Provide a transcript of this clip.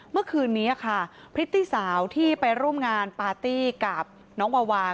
เมื่อคืนนี้ค่ะพริตตี้สาวที่ไปร่วมงานปาร์ตี้กับน้องวาวา